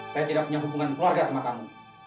saya tidak punya hubungan keluarga sama kamu